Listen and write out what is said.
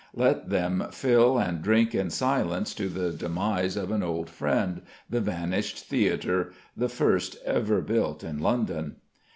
Let them fill and drink in silence to the demise of an old friend, the vanished theatre, the first ever built in London.